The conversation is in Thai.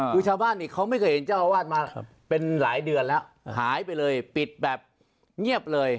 คือชาวบ้านนี่เขาไม่เคยเห็นเจ้าอาวาสมาเป็นหลายเดือนแล้วหายไปเลยปิดแบบเงียบเลย